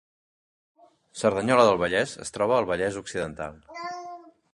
Cerdanyola del Vallès es troba al Vallès Occidental